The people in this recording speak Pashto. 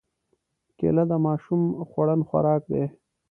کېله د ماشوم خوړن خوراک دی.